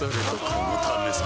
このためさ